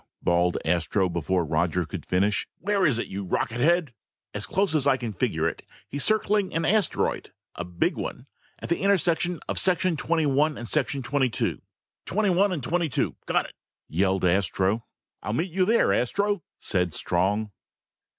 bawled Astro before Roger could finish. "Where is it, you rockethead?" "As close as I can figure it, he's circling an asteroid, a big one, at the intersection of sections twenty one and twenty two!" "Twenty one and twenty two! Got it!" yelled Astro. "I'll meet you there, Astro!" said Strong.